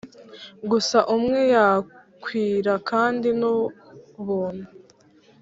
gusa umwe yakwira, kandi nubuntu.